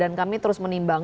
dan kami terus menimbang